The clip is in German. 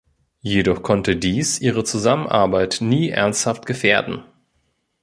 Jedoch konnte dies ihre Zusammenarbeit nie ernsthaft gefährden.